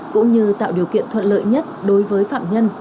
cũng như tạo điều kiện thuận lợi nhất đối với phạm nhân